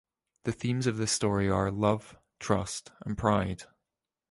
The themes of this story are love, trust and pride.